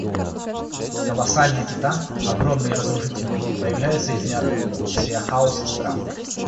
Колоссальный титан, огромный и разрушительный, появляется из ниоткуда, сея хаос и страх.